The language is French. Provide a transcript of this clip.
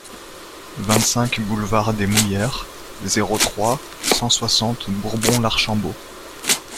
vingt-cinq boulevard des Mouillères, zéro trois, cent soixante Bourbon-l'Archambault